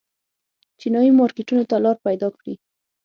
چینايي مارکېټونو ته لار پیدا کړي.